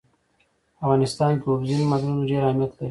په افغانستان کې اوبزین معدنونه ډېر اهمیت لري.